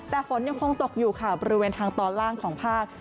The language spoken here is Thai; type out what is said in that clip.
แต่ฝนยังคงตกอยู่ค่ะบริเวณทางตอนล่างของภาค